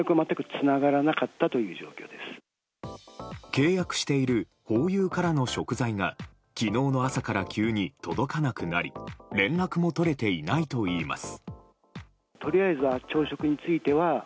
契約しているホーユーからの食材が昨日の朝から急に届かなくなり連絡も取れていないといいます。